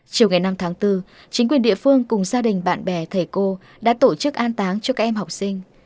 chiều ngày năm tháng bốn chính quyền địa phương cùng gia đình bạn bè thầy cô đã tổ chức an táng cho các em học sinh